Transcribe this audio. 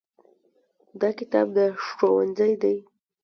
دا کتاب د ښوونځي دی.